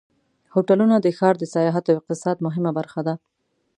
هوټلونه د ښار د سیاحت او اقتصاد مهمه برخه دي.